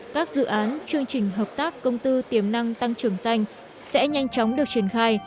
các dự án chương trình hợp tác công tư tiềm năng tăng trưởng xanh sẽ nhanh chóng được triển khai